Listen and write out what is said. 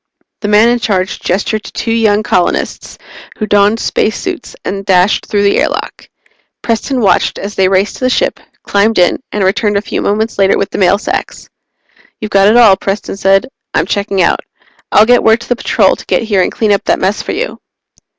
The man in charge gestured to two young colonists, who donned spacesuits and dashed through the airlock. Preston watched as they raced to the ship, climbed in, and returned a few moments later with the mail sacks. "You've got it all," Preston said. "I'm checking out. I'll get word to the Patrol to get here and clean up that mess for you."